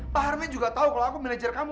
pak harman juga tahu kalau aku manajer kamu